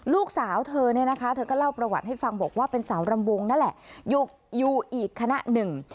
ลูกสาวเธอเนี่ยนะคะเธอก็เล่าประวัติให้ฟังบอกว่าเป็นสาวรำวงนั่นแหละอยู่อีกคณะหนึ่ง